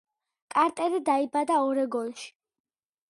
კარტერი დაიბადა ორეგონში.